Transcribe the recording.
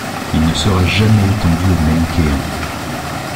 Il ne sera jamais étendu aux manichéens.